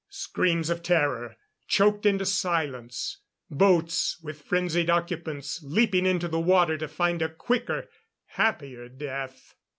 Screams of terror, choked into silence ... boats with frenzied occupants leaping into the water to find a quicker, happier death